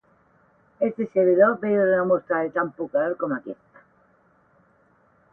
És decebedor veure una mostra de tan poc valor com aquesta.